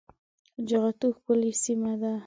جغتو ښکلې سيمه ده